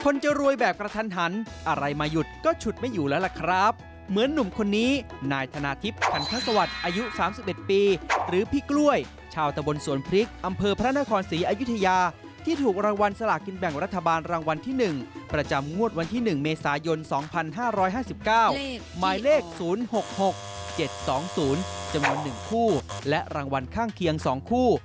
เลข๐๖๖๗๒๐จำนวน๑คู่และรางวัลข้างเคียง๒คู่